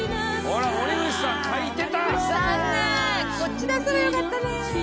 こっち出せばよかったね。